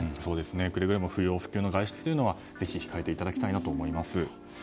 くれぐれも不要不急の外出は控えていただきたいと思います。